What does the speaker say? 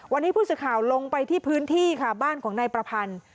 วันนี้ผู้สื่อข่าวลงไปที่พื้นที่ค่ะบ้านของนายประพันธ์